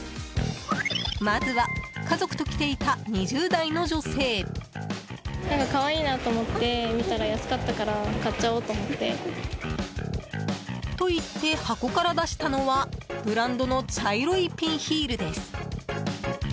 まずは、家族と来ていた２０代の女性。と言って箱から出したのはブランドの茶色いピンヒールです。